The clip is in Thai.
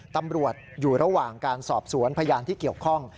ตำรวจอยู่ระหว่างการสอบสวนพยานที่เกี่ยวข้อง